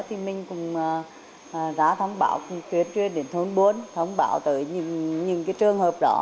thì mình cũng ra thông báo chuyển chuyên đến thôn bốn thông báo tới những trường hợp đó